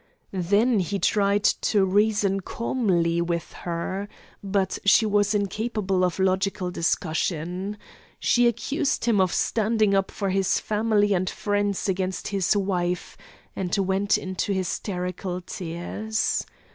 Then he tried to reason calmly with her; but she was incapable of logical discussion. She accused him of 'standing up for his family and friends against his wife,' and went into hysterical tears.